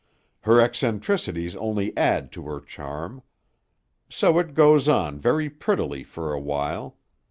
Her eccentricities only add to her charm. So it goes on very prettily for a while.